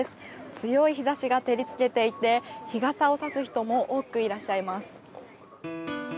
強い日ざしが照りつけていて日傘を差す人も多くいらっしゃいます。